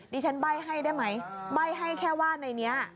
ใบ้ให้ได้ไหมใบ้ให้แค่ว่าในนี้